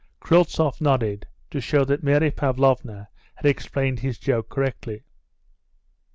Kryltzoff nodded, to show that Mary Pavlovna had explained his joke correctly.